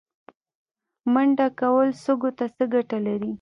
منډه کول سږو ته څه ګټه لري؟